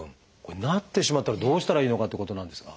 なってしまったらどうしたらいいのかってことなんですが。